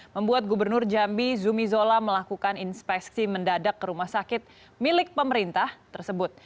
membuat gubernur jambi zumi zola melakukan inspeksi mendadak ke rumah sakit milik pemerintah tersebut